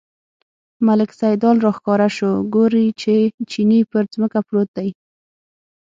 ملک سیدلال راښکاره شو، ګوري چې چیني پر ځمکه پروت دی.